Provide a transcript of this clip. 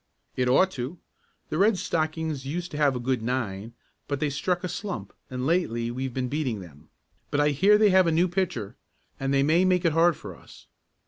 "It ought to. The Red Stockings used to have a good nine but they struck a slump and lately we've been beating them. But I hear they have a new pitcher and they may make it hard for us.